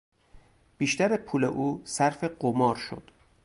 بیشتر پول او صرف قمار شد.